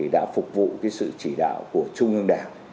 đã phục vụ sự chỉ đạo của trung ương đảng